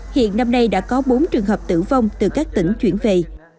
hiện năm nay đã có bốn trường hợp tử vong từ các tỉnh chuyển về